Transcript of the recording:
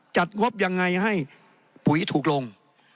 งบยังไงให้ปุ๋ยถูกลง